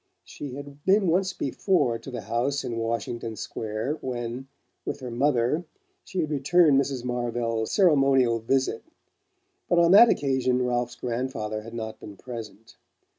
She had been once before to the house in Washington Square, when, with her mother, she had returned Mrs. Marvell's ceremonial visit; but on that occasion Ralph's grandfather had not been present.